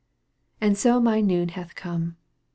And so my noon hath come !